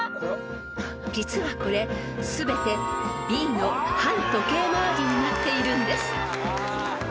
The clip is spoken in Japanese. ［実はこれ全てＢの反時計回りになっているんです］